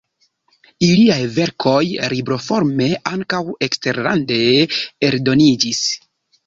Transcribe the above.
Iliaj verkoj libroforme ankaŭ eksterlande eldoniĝis.